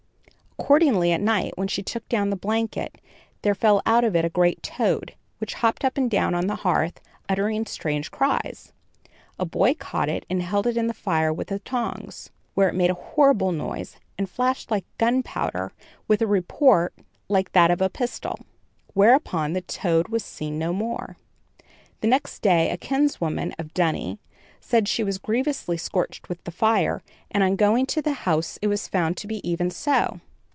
Accordingly at night when she took down the blanket, there fell out of it a great toad, which hopped up and down the hearth, uttering strange cries. A boy caught it, and held it in the fire with the tongs, where it made a horrible noise, and flashed like gunpowder, with a report like that of a pistol. Whereupon the toad was seen no more. The next day a kinswoman of Dunny said she was grievously scorched with the fire, and on going to the house it was found to be even so.